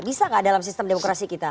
bisa nggak dalam sistem demokrasi kita